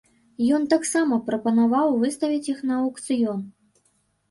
Ён таксама прапанаваў выставіць іх на аўкцыён.